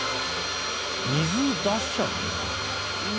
⁉水出しちゃうんだ。